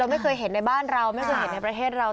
ไม่เคยเห็นในบ้านเราไม่เคยเห็นในประเทศเรา